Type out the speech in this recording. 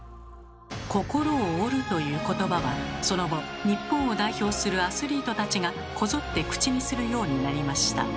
「心を折る」ということばはその後日本を代表するアスリートたちがこぞって口にするようになりました。